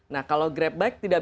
nah kalau grab bike tidak